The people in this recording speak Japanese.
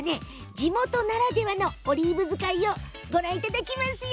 地元ならではのオリーブ使いをご覧いただきますよ。